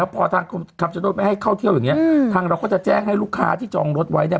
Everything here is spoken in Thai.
พอทางคำชโนธไม่ให้เข้าเที่ยวอย่างนี้ทางเราก็จะแจ้งให้ลูกค้าที่จองรถไว้เนี่ย